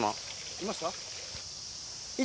いました？